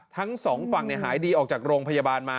ทั้งสองฝั่งหายดีออกจากโรงพยาบาลมา